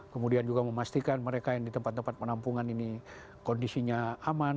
kemudian juga memastikan mereka yang di tempat tempat penampungan ini kondisinya aman